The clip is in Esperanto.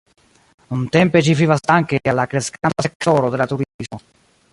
Nuntempe ĝi vivas danke al la kreskanta sektoro de la turismo.